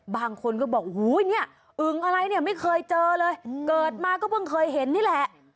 บางคนก็บอกอึงอะไรไม่เคยเจอเลยเกิดมาก็เพิ่งเคยเห็นนี่แหละ